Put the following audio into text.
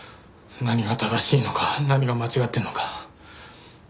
何が正しいのか何が間違ってるのか。